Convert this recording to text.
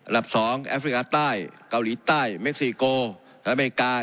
หลักสองแอฟริกาใต้กาวรีย์ใต้เม็กซีโกแนวเมกา